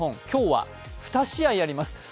今日は２試合あります。